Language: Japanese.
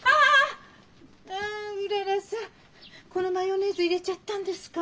このマヨネーズ入れちゃったんですか？